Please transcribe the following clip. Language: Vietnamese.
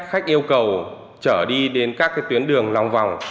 khách yêu cầu chở đi đến các cái tuyến đường lòng vòng